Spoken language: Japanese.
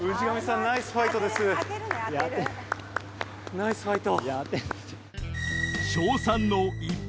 ナイスファイト。